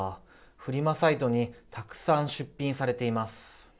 フリマサイトにたくさん出品されています。